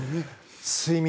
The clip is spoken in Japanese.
睡眠。